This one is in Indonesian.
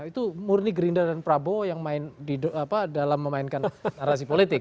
itu murni gerindra dan prabowo yang main di dalam memainkan narasi politik